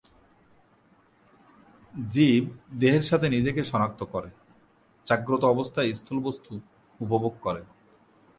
জীব, দেহের সাথে নিজেকে সনাক্ত করে, জাগ্রত অবস্থায় স্থূল বস্তু উপভোগ করে।